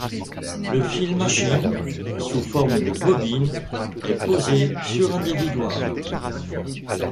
Le fil machine, sous forme de bobine, est posé sur un dévidoir.